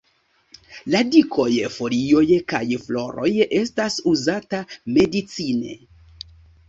Radikoj, folioj kaj floroj estas uzata medicine.